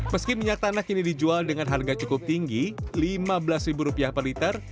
meski minyak tanah kini dijual dengan harga cukup tinggi lima belas per liter